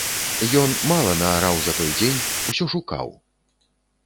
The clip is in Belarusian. Ён мала наараў за той дзень, усё шукаў.